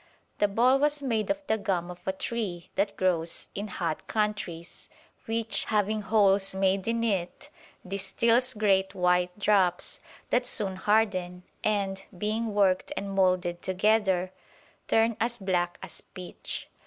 The ball was made of the gum of a tree that grows in hot countries, which, having holes made in it, distils great white drops, that soon harden, and, being worked and moulded together, turn as black as pitch.